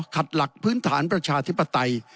ขัดหลักพื้นฐานประชาธิปไตย